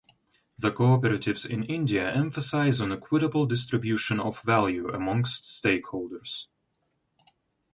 The cooperatives in India emphasize on equitable distribution of value amongst stakeholders.